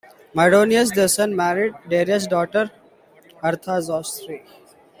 Mardonius, their son, married Darius' daughter Artazostre.